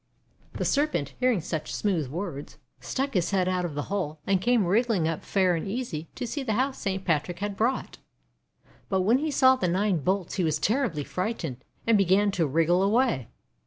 The Serpent, hearing such smooth words, stuck his head out of the hole, and came wriggling up fair and easy to see the house Saint Patrick had brought. But when he saw the nine bolts he was terribly frightened, and began to wriggle away.